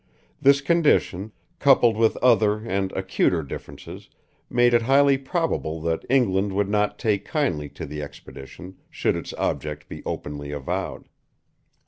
This condition, coupled with other and acuter differences, made it highly probable that England would not take kindly to the expedition, should its object be openly avowed.